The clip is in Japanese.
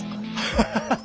ハハハッ！